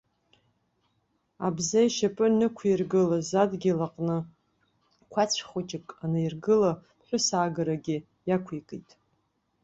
Абза ишьапы назықәиргылаз адгьыл аҟны қәацә хәыҷык аниргыла ԥҳәысагарагьы иақәикит.